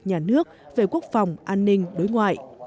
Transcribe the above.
nhà nước về quốc phòng an ninh đối ngoại